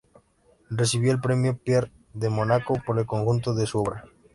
Recibió el Premio Pierre de Monaco por el conjunto de su obra.